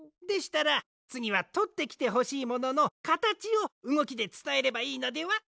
でしたらつぎはとってきてほしいもののかたちをうごきでつたえればいいのでは？